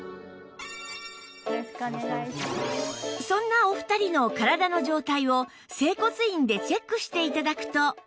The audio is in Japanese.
そんなお二人の体の状態を整骨院でチェックして頂くと